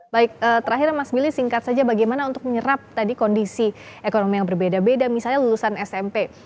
baik terakhir mas billy singkat saja bagaimana untuk menyerap tadi kondisi ekonomi yang berbeda beda misalnya lulusan smp